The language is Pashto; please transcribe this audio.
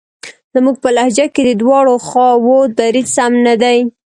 زموږ په لهجه کې د دواړو خواوو دریځ سم نه دی.